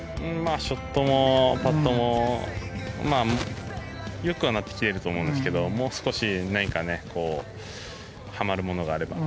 ショットもパットも良くはなってきてると思いますがもう少し何かはまるものがあれば。